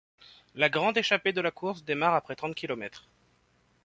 La grande échappée de la course démarre après trente kilomètres.